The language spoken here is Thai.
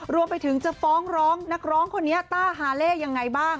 รวมไปถึงจะฟ้องร้องนักร้องคนนี้ต้าฮาเล่ยังไงบ้าง